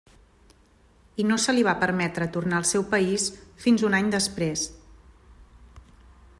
I no se li va permetre tornar al seu país fins un any després.